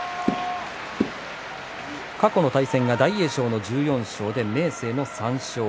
過去の対戦は大栄翔の１４勝明生の３勝。